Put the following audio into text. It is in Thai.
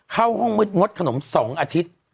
เข้าห้องมืดงดขนม๒อาทิตย์